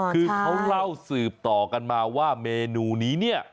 คือเขาเล่าสืบต่อกันมาว่าเมนูนี้เนี่ย